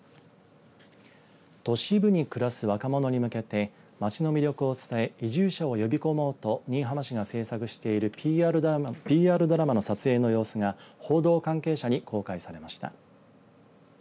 都市部に暮らす若者に向けて街の魅力を伝え移住者を呼び込もうと新居浜市が制作しているＰＲドラマの撮影の様子が報道関係者に公開されました。